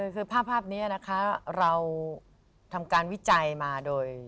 คือภาพนี้นะคะเราทำการวิจัยมาโดย